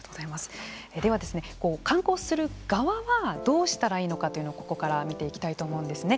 では、観光する側はどうしたらいいのかというのをここから見ていきたいと思うんですね。